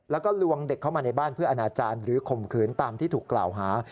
แล้วก็ลวงเด็กเข้ามาในบ้านเพื่ออนาจารย์หรือข่มขืนตามที่ถูกกล่าวหา